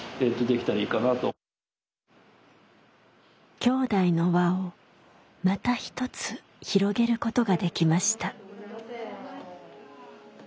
きょうだいの輪をまた一つ広げることができました。